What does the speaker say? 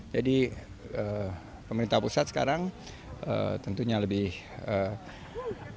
jadi pemerintah pusat sekarang tentunya lebih berkelanjutan